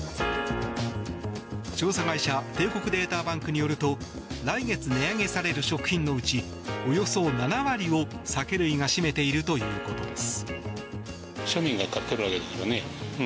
調査会社帝国データバンクによると来月、値上げされる食品のうちおよそ７割を、酒類が占めているということです。